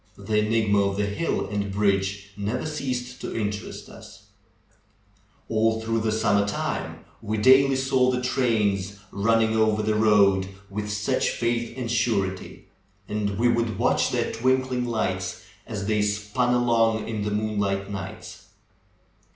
The enigma of the hill and bridge never ceased to interest us. All 157 158 THE BEND OF THE HILL through the summer time we daily saw the trains run ning over the road with such faith and surety, and we w^ould watch their twinkling lights as they spun along in the moonlight nights.